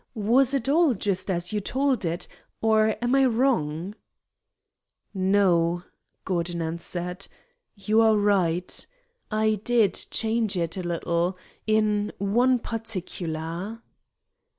Was it all just as you told it? Or am I wrong?" "No," Gordon answered; "you are right. I did change it a little, in one particular."